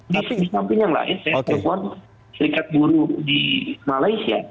di samping yang lain saya telepon serikat buruh di malaysia